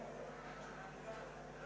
silahkan kalau ada